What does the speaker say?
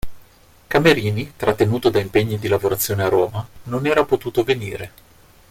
Camerini, trattenuto da impegni di lavorazione a Roma, non era potuto venire.